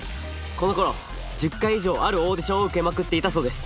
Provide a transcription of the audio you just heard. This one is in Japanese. この頃１０回以上あるオーディションを受けまくっていたそうです。